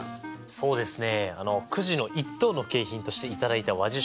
そうですね。